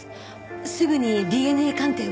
すぐにＤＮＡ鑑定を。